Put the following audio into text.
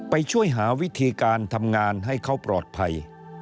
ไปช่วยหาวิธีการทำงานให้เขาปลอดภัย